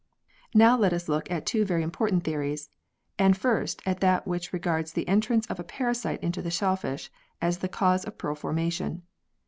Now let us look at two very important theories, and first at that which regards the entrance of a parasite into the shellfish as the cause of pearl forma tion.